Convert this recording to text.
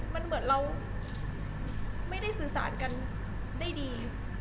มันเหมือนเราไม่ได้สื่อสารกันได้ดี